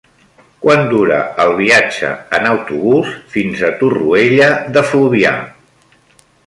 Quant dura el viatge en autobús fins a Torroella de Fluvià?